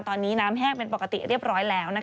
ตอนนี้น้ำแห้งเป็นปกติเรียบร้อยแล้ว